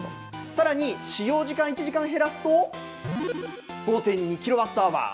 さらに、使用時間１時間減らすと５．２キロワットアワー。